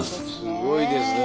すごいですね！